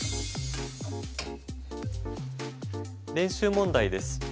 練習問題です。